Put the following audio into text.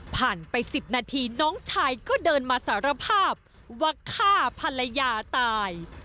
ไป๑๐นาทีน้องชายก็เดินมาสารภาพว่าฆ่าภรรยาตาย